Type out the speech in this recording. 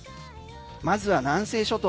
まずは南西諸島。